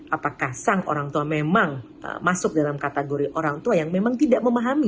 apakah sang orang tua memang masuk dalam kategori orang tua yang memang tidak memahami